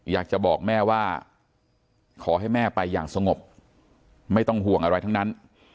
อยากจะบอกแม่ว่าขอให้แม่ไปอย่างสงบไม่ต้องห่วงอะไรทั้งนั้น